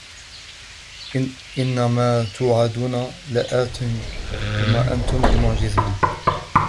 إن ما توعدون لآت وما أنتم بمعجزين